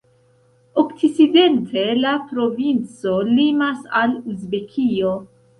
Okcidente la provinco limas al Uzbekio.